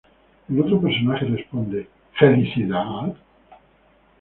El otro personaje responde: "¡¿Felicidad?